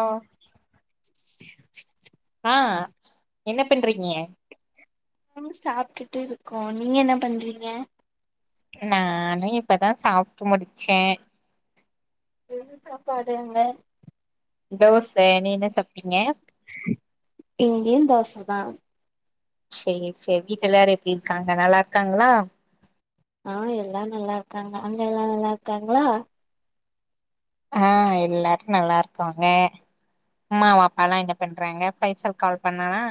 ஆ [inaudible] ஆ என்ன பண்றங்ன ம் சாப்டுட்டு இருக்கோ நீங்க என்ன பண்றங்க நானு இப்பதா சாப்ட்டு முடிச்ச என்ன சாப்பாடு அங்க தோச நீ என்ன சாப்ட்டீங்க இங்கயு தோசதா சேரி சேரி வீட்ல எல்லாரு எப்டி இருக்காங்க நல்லா இருக்காங்ளா ஆ எல்லா நல்லா இருக்காங்க அங்க எல்லா நல்லா இருக்காங்களா ஆ எல்லாரு நல்லா இருக்காங்க மாவு அப்பலா என்ன பண்றாங்க பைசல் கால் பண்ணானா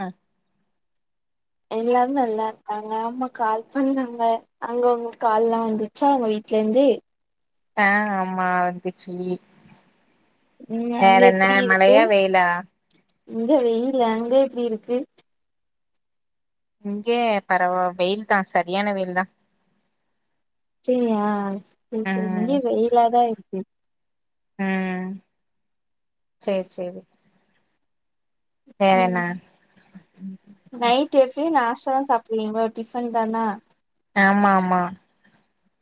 எல்லாரு நல்லா இருக்காங்க அம்மா கால் பண்ணாங்க அங்க உங்க கால்லா வந்துச்சா உங்க வீட்ல இந்து அ ஆமா வந்துச்சி ம் அங்க வேற என்ன எப்டி இருக்கு மழையா வெயிலா இங்க வெய்ல் அங்க எப்பி இருக்கு இங்க பரவா வெயில் தா சரியான வெயில் தா இங்கயு வெயிலாதா இருக்கு ஆ செரி செரி வேற ம் என்ன நைட் எப்டி நாஷ்டா சாப்டுவீங்கோ டிபன் தானா ஆமா ஆமா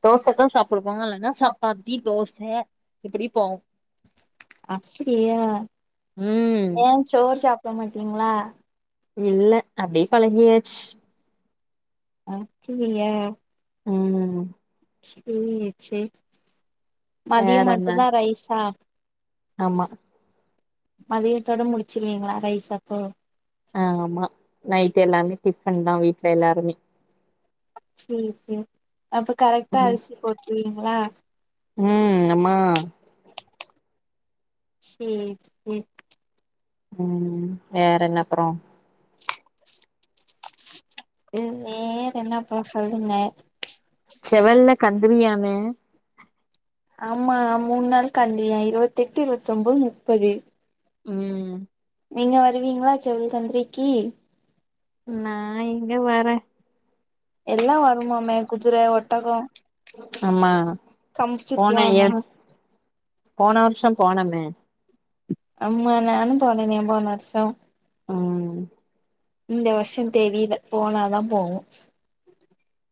தோச தா சாப்டுவாங்க இல்லன்னா சப்பாத்தி தோச இப்புடி போவு அப்புடியா ம் எயா சோறு சாப்ட மாட்டீங்ளா இல்ல அப்டீயே பழகியாச்சு அப்புடியா ம் சேர் சேரி மத்தியோ வேற என்ன மட்டுதா ரைசா ஆமா மத்தியத்தோட முடுச்சுருவீங்ளா ரைஸ் அப்போ ஆமா நைட்டு எல்லாமே டிஃபன் தா வீட்ல எல்லாருமே சேர் சேரி அப்ப கரெக்டா ம் அரிசி போட்துருவீங்ளா ம் ஆமா சேர் சேரி ம் வேற என்ன அப்புறோ வேற என்ன அப்றோ சொல்லுங்க செவல்ல கந்திரியாமே ஆம்மா மூணு நாள் கண்டியா இருவத்த எட்டு இருவத்த ஒன்பது முப்பது ம் நீங்க வருவீங்ளா சேவுள் கந்திரிக்கு நா எங்க வரே எல்லா வருமாமே குதிர ஒட்டகோ ஆமா கம்புச் போன சுத்துவாங்கே இயர் போன வருஷோ போனமே ஆமா நானு போனேனே போன வருஷோ ம் இந்த வருஷோ தெரில போனாதா போவோ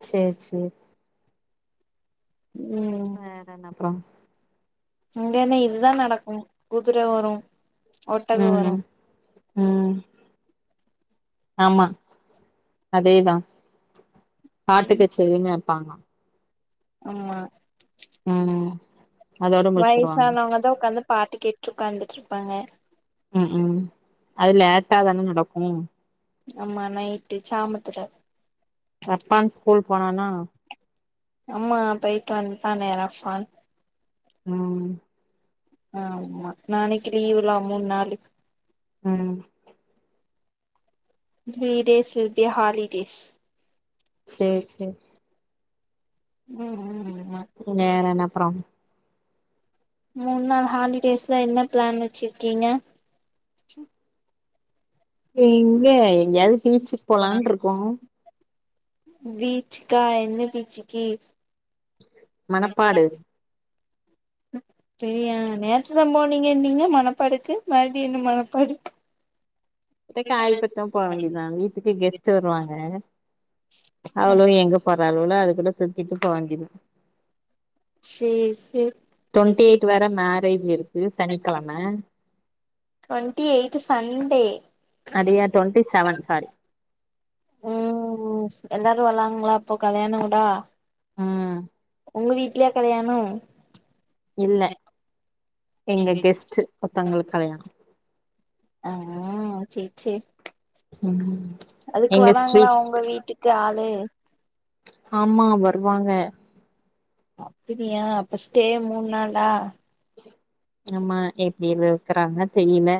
சேர் சேரி ம் என்னென்ன அப்றோ இங்கென்ன இதுதா நடக்கு குதிர வரு ஒட்டகோ ம் வரு ம் ம் ஆமா அதேதா பாட்டுக்கச்சேரின் வெப்பாக ஆமா ம் அதோட முடிச்சிருவாங்க வயசானவங்கதா ஒக்காந்து பாட்டு கேட்டு ஒக்காந்துட்டு இருப்பாங்க க் ம் அது லேட்டா தானே நடக்கு ஆமா நைட்டு சாமத்துல அப்பான் ஸ்கூல் போனானா ஆமா போயிட்டு வன்டானே ரஃப்பான் ம் ஆமா நாளைக்கி லீவ்லா மூன் நாளிக் ம் த்ரீ டேஸ் திருப்பீ ஹாலிடேஸ் சேரி சேரி ம் ம் ஆமா வேற என்ன அப்றோ மூன் நாள் ஹாலிடேஸ்ல என்ன பிளான் வெச்சிருக்கீங்க எங்க எங்கயாது பீச்சிக் போலான்ருக்கோ பீச்சிக்கா எந்த பீச்சிக்கி மணப்பாடு நடப்புலாங்கு சேரியா நேர்த்துல போனீங்க நீங்க மனப்பாடுக்கு மறுபுடி என்ன மனப்பாடு த்தே காயில்பட்னோ போவேண்டித்த வீட்டுக்கு கெஸ்ட்ட்டு வருவாங்க அவள்வோ எங்க போறாள்வலோ அதுகூட‌ சுத்திட்டு போவேண்டிது தா சேரி சேரி டொண்ட்டி எய்ட் வேர மேரேஜு இருக்கு சனிக்கிழம டுவெண்ட்டி எய்த் சண்டே அடியா ட்வெண்ட்டி செவன் சாரி ம் எல்லாரு வராங்களா இப்போ கல்யாணவுடா ம் உங்க வீட்லயா கல்யாணோ இல்ல எங்க கெஸ்ட்டு ஒருத்தங்களுக்கு கல்யாண ஆ ம் செரி செரி ம் அதுக்கு எங்க வராங்களா ஸ்ட்ரீட் உங்க வீட்டுக்கு ஆளு ஆமா வருவாங்க அப்பிடியா அப்ப ஸ்டே மூண் நாளா ஆமா எப்டி இருக்கிறாங்க தெரியில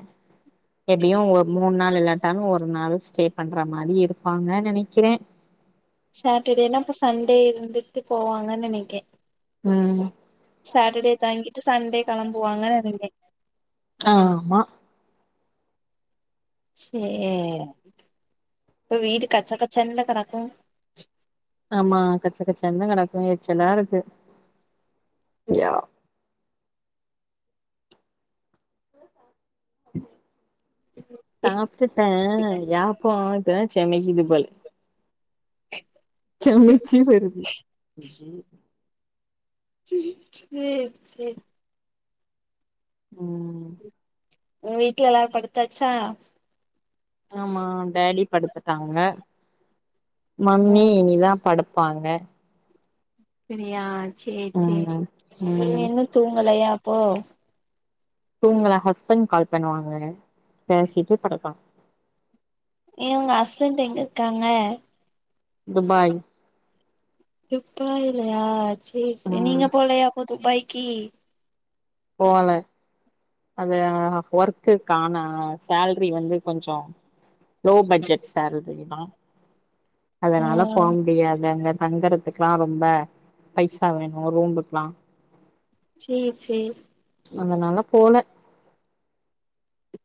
எப்டியு மூண் நாள் இல்லாட்டாலு ஒரு நாள் ஸ்டே பண்ற மாரி இருப்பாங்க நெனைக்கிறே சாட்டர்டேனா இப்ப சண்டே இருந்துட்டு போவாங்கன்னு நெனைக்கே ம் சாட்டர்டே தாங்கிட்டு சண்டே களம்புவாங்க நீனைக் ஆமா சேரி இப்போ வீடு கச்ச கச்சன்ல்ல கடக்கு ஆமா கச்சை கச்சந்தா கடக்கு எரிச்சலா இருக்கு சாப்ட்டுட்டே யாப்போ இப்பதா செமைக்குது போல [unintelligible] செமைச்சி வருது செர் செரி ம் உங்க வீட்டுல எல்லாரு படுத்தாச்சா ஆமா டேடி படுத்துட்டாங்க மம்மி ம் இனிதா படு பாங்க செரியா செரி செரி ம் நீங்க ம் இன்னு தூங்கலையாப்போ தூங்கள ஹஸ்பண்ட் கால் பண்ணுவாங்க பேசிட்டு படுக்கானு ஏ உங்க ஹஸ்பண்ட் எங்க இருக்காங்க துபாய் துபாயலையா செரி செரி நீங்க ம் போலையா அப்போ துபாய்க்கி போல அது ஒர்க்குக்கான சேல்ரி வந்து கொஞ்சோ லோ பட்ஜெட் சேல்ரி தா ஆ அதனால போ முடியாது அங்க தங்குறதுக்கெலா ரொம்ப பைசா வேணு ரூம்புக்கலா செர் செரி அதனாலா போல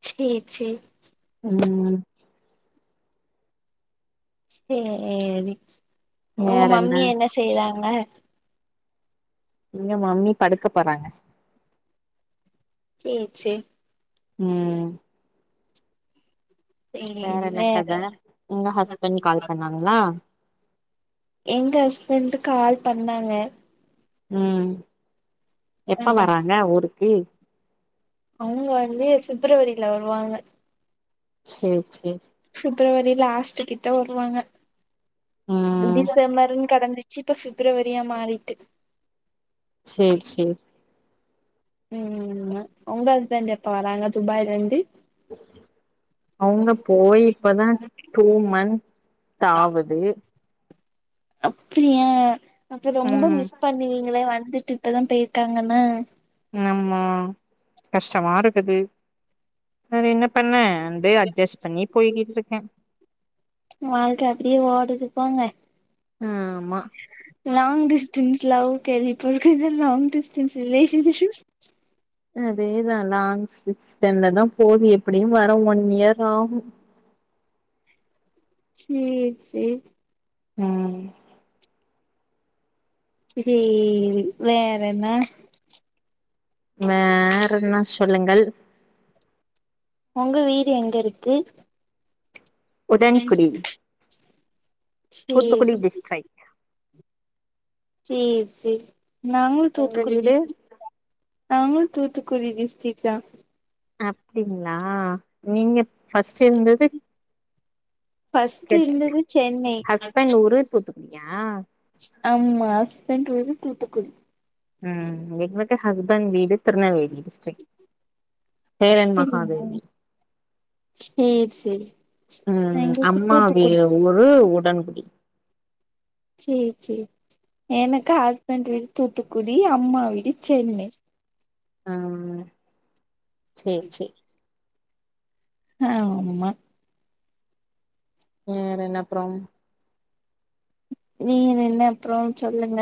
செர் செ ம் செரி உங்க மம்மி என்ன செய்றாங்க எங்க மம்மி படுக்க போறாங்க செர் செ ம் வேற என்ன கத உங்க ஹஸ்பண்ட் கால் பண்ணாங்களா எங்க ஹஸ்பண்ட் கால் பண்ணாங்க ம், ஆ எப்ப வராங்க ஊருக்கு? அவங்க வந்து பிப்ரவரில வருவாங்க சேரி சேரி பிப்ரவரி லாஸ்ட் கிட்ட வருவாங்க ம் டிசம்பர்னு கடந்துச்சு இப்ப பிப்ரவரியா மாறிட்டு சேரி சேரி ம் உங்க ஹஸ்பண்ட் எப்ப வராங்க துபாய்ல இருந்து அவங்க போய் இப்பதா டூ மன்ந்த் தாவுது அப்டியா அப்ப ரொம்ப ம் மிஸ் பண்ணுவீங்களே வந்துட்டு இப்பதா போயிருக்காங்கனா ஆமா கஷ்டமா இருக்குது வேற என்ன பண்ண அப்டி அ ஜஸ்ட் பண்ணி போயிட்டு இருக்கே வாழ்க்க அப்டியே ஓடுது போங்க ஆமா லாங் டிஸ்டன்ஸ் லவ் கேள்விப்பட்ருக்கே இது லாங் டிஸ்டன்ஸ் ரிலேஷன்ஷிப் அதேதா லாங் டிஸ்டன்லதா போவுது எப்டியு வர ஒன் இயர் ஆவு சேரி சேரி ம் சேரி வேற என்ன வேற என்ன சொல்லுங்கள் உங்க வீடு எங்க இருக்கு உடன்குடி தூத்துக்குடி சேரி டிஸ்ட்ரிக் சேரி சேரி நாங்களு உங்க தூத்துக்குடி வீடு டிஸ்ட் நாங்களு தூத்துக்குடி டிஸ்ட்ரிக்ட்தா அப்டிங்ளா நீங்க ஃபர்ஸ்ட் இருந்தது ஃபர்ஸ்ட் இருந்தது சென்னை ஹஸ்பண்ட் ஊரு தூத்துக்குடியா ஆமா ஹஸ்பண்ட் ஊரு தூத்துக்குடி ம் எங்களுக்கு ஹஸ்பண்ட் வீடு திருநெல்வேலி டிஸ்ட்ரிக்ட் சேரன் மகாதேவி சேரி சேரி ம் எங்களுக்கு அம்மா வீ தூத்துக்குடி ஊரு உடன்குடி சேரி சேரி எனக்கு ஹஸ்பண்ட் வீடு தூத்துக்குடி அம்மா வீடு சென்னை ஆ சேரி சேரி ஆமா வேற என்ன அப்பறோ வேற என்ன அப்பறோ சொல்லுங்க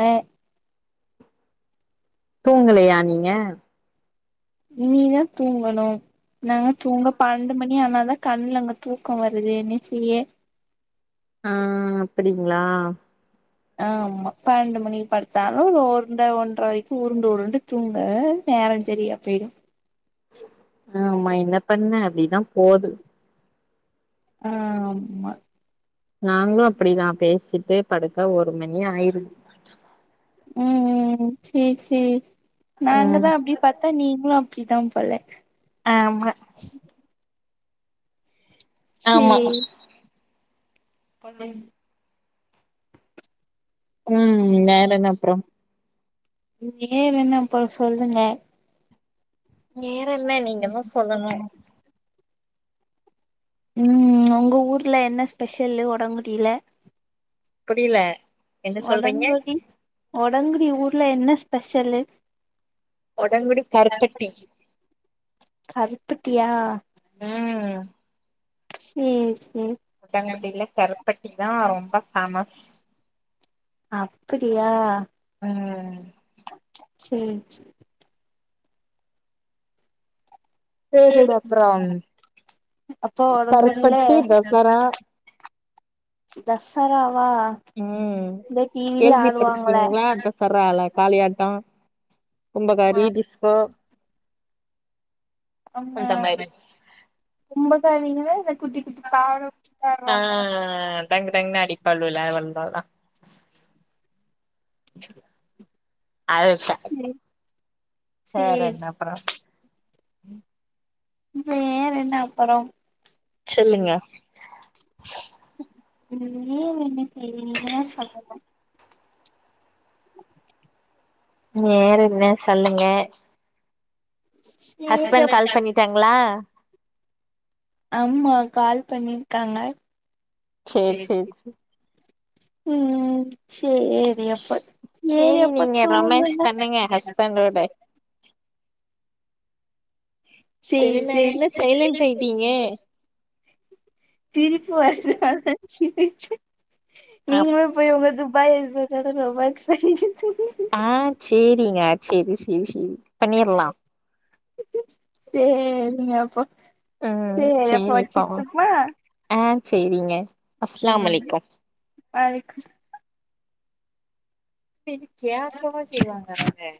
தூங்கலையா நீங்க இனிதா தூங்கணு நாங்க தூங்க பன்னெண்டு மணி ஆனாதா கண்ல அங்க தூக்க வருது என்ன செய்ய ஆ அப்டிங்ளா ஆமா பன்னெண்டு மணிக்கு படுத்தாலு ஒரு ஒன்ட்ரை ஒன்ட்ரை வரைக்கு உருண்டு உருண்டு தூங்க நேரோ சரியா போயிடும் ஆமா என்ன பண்ண அப்டிதா போது ஆ ஆமா நாங்களும் அப்படிதா பேசிட்டு படுக்க ஒரு மணி ஆயிரும் ம் ம் சேரி சேரி ம் நாங்கதா அப்படி பத்தா நீங்களும் அப்படிதா போல ஆமா ஆமா சேரி ம் ம் வேற என்ன அப்றோ வேற என்ன அப்றோ சொல்லுங்க வேற என்ன நீங்க தா சொல்லணும் ம் உங்க ஊர்ல என்ன ஸ்பெஷல்லு உடங்குட்டியில புரியல என்ன சொல்றீங்க ஒடங்குடி ஒடங்குடி ஊர்ல என்ன ஸ்பெஷலு ஒடங்குடி கருப்பட்டி கருப்பட்டியா ம் சேரி சேரி ஒடங்குடில கருப்பட்டி தா ரொம்ப ஃபேமஸ் அப்படியா ஆ செரி சே சேரிடா அப்புறம் ம் அப்போ ஒடங்குடில கருப்பட்டி தசரா தசரா வா ம் கேள்விப்படக்கிங்களா தசரால காளியாட்டோ கும்பகாரி டிஸ்கோ ஆமா அந்த மாரி கும்பகாரிங்களா குட்டி குட்டி பாவட போட்டு ஆ ஆடுவாங்களே டங்கு டங்குன் அடிப்பள்வல்ல வந்தா அது சரி சரி என்ன அப்றோ வேற என்ன அப்பறோ சொல்லுங்க நீங்க என்ன செய்விங்கன்னே சொல்லல வேற என்ன சொல்லுங்க சேரி ஹஸ்பண்ட் கால் அப்ப பண்ணிட்டாங்களா ஆமா கால் பண்ணிருக்காங்க சேர் சரி சேர் சரி சேர் ம் சேரி எப்பத் சேரி எப்பத் நீங்க ரொமான்ஸ் தூங்குவீங்க பண்ணுங்க ஹஸ்பண்டோட செரி நா சரி என்ன சரி சைலண்ட் ஆயிட்டீங்க சிரிப்பு வருது அதா சிரிச்சே அப் நீங்களு போய் உங்க துபாய் ஹஸ்பண்ட்டோட ரொமான்ஸ் பண்ணிட்டு தூங்குங்க ஆ சேரிங்க செரி செரி செரி சேரிங்க அப்போ சேரி அப்ப வச்ருட்டுமா ஆம் சேரிங்க அஸ்லாம் ம் அலைக்கும் பைக்கு [unintelligible] இது கேக்கவா செய்வாங்க அவ்ங்க